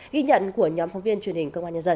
ghi nhận của nhóm phóng viên truyền hình công an nhân dân